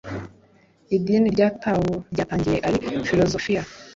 idini rya tao ryatangiye ari filozofiya